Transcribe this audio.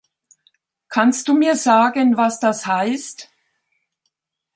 Kannst du mir sagen, was das heißt?